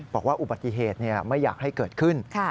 บอกว่าอุบัติเหตุไม่อยากให้เกิดขึ้น